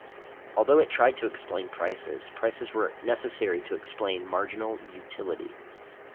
Although it tried to explain prices, prices were necessary to explain marginal utility.